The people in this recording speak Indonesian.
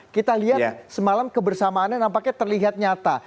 kita lihat semalam kebersamaannya nampaknya terlihat nyata